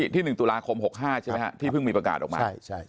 ที่๑ตุลาคม๑๙๖๕ที่เพิ่งมีประกาศออกมา